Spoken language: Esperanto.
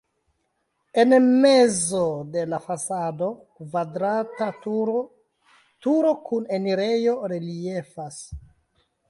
En mezo de la fasado kvadrata turo turo kun enirejo reliefas.